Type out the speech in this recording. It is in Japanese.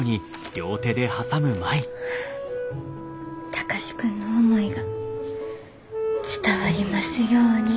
貴司君の思いが伝わりますように。